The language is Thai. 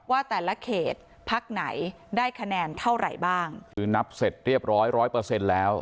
ว่าแต่ละเขตพักไหนได้คะแนนเท่าไหร่บ้างคือนับเสร็จเรียบร้อยร้อยเปอร์เซ็นต์แล้ว